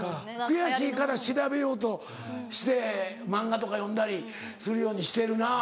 悔しいから調べようとして漫画とか読んだりするようにしてるな。